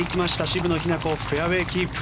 渋野日向子フェアウェーキープ。